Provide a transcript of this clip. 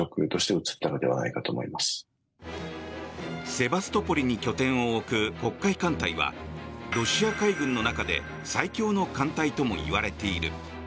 セバストポリに拠点を置く黒海艦隊はロシア海軍の中で最強の艦隊ともいわれている。